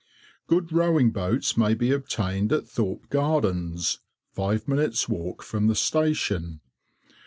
Good rowing boats may be obtained at Thorpe Gardens, five minutes' walk from the station.